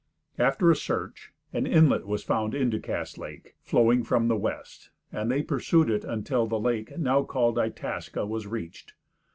After a search, an inlet was found into Cass lake, flowing from the west, and they pursued it until the lake now called "Itasca" was reached.